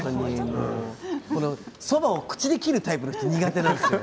そばを口で切るタイプの人苦手なんですよ。